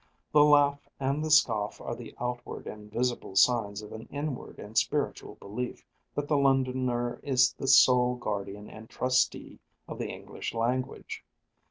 The laugh and the scoff are the outward and visible signs of an inward and spiritual belief that the Londoner is the sole guardian and trustee of the English language.